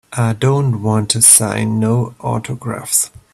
I don't wanta sign no autographs.